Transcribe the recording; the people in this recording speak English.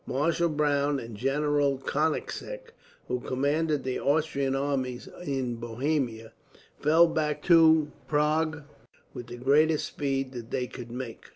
Marshal Browne and General Konigseck, who commanded the Austrian armies in Bohemia, fell back to Prague with the greatest speed that they could make.